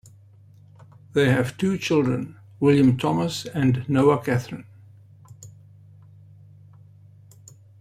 They have two children, William Thomas and Noa Cathryn.